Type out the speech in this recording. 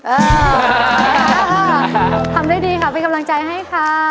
เออทำได้ดีค่ะเป็นกำลังใจให้ค่ะ